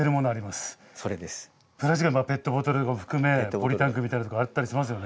ペットボトルを含めポリタンクみたいのとかあったりしますよね。